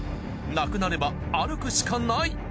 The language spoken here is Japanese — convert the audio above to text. なくなれば歩くしかない。